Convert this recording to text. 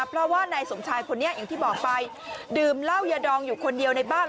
เพราะว่านายสมชายคนนี้อย่างที่บอกไปดื่มเหล้ายาดองอยู่คนเดียวในบ้าน